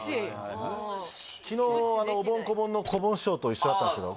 昨日おぼん・こぼんのこぼん師匠と一緒だったんですけど